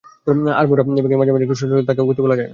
আড়মোড়া ভেঙে মাঝে মাঝে একটু সচল হলেও তাকে গতি বলা যায় না।